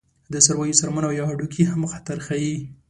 د څارویو څرمن او یا هډوکي هم خطر ښيي.